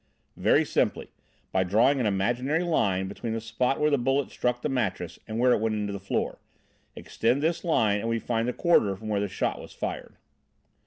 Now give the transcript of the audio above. "Very simply. By drawing an imaginary line between the spot where the bullet struck the mattress and where it went into the floor extend this line and we find the quarter from where the shot was fired."